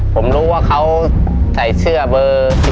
ผมรู้ว่าเขาใส่เสื้อเบอร์